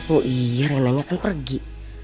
oh iya reina nya kan pergi